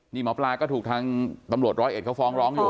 นี่หมอปลาก็ถูกทางตำรวจร้อยเอ็ดเขาฟ้องร้องอยู่